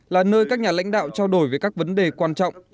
là nơi các nhà lãnh đạo trao đổi về các vấn đề quan trọng